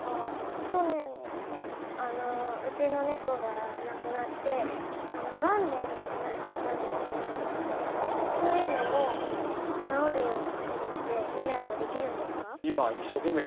去年うちのネコがなくなってガンでなくなっちゃったんですけどそういうのも治るような薬って未来はできるんですか？